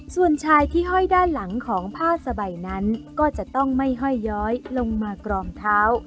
ส่วนชายที่ห้อยด้านหลังของผ้าสบายนั้นก็จะต้องไม่ห้อยย้อยลงมากรองเท้า